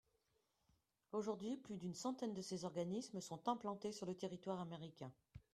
Aujourd’hui, plus d’une centaine de ces organismes sont implantés sur le territoire américain.